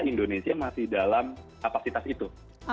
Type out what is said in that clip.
indonesia masih dalam kapasitas itu